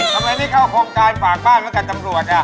ทำไมนี่เขามาฝากบ้านและกับตำรวจนะ